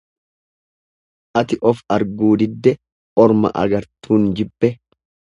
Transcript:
Ati of arguu didde orma agartuun jibbe.